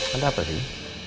ada apa sih